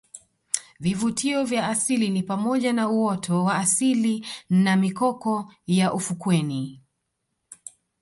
Vivutio vya asili ni pamoja na uoto wa asili na mikoko ya ufukweni